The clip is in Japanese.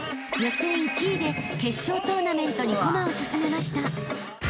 ［予選１位で決勝トーナメントに駒を進めました］